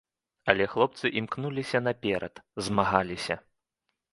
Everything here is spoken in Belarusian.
Але хлопцы імкнуліся наперад, змагаліся.